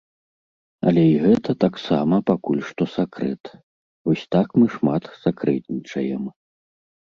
Але і гэта таксама пакуль што сакрэт, вось так мы шмат сакрэтнічаем.